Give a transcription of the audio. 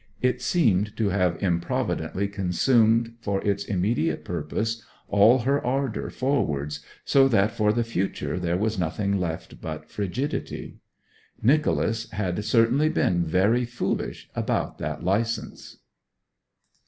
It seemed to have improvidently consumed for its immediate purpose all her ardour forwards, so that for the future there was nothing left but frigidity. Nicholas had certainly been very foolish about that licence!